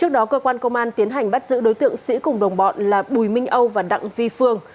đã giữ đối tượng sĩ cùng đồng bọn là bùi minh âu và đặng vi phương